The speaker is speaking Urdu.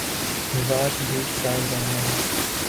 مزاج بھی شاعرانہ ہے۔